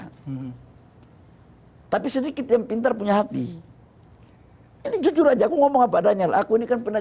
hai tapi sedikit yang pintar punya hati hai ini jujur aja ngomong apa daniel aku ini kan pernah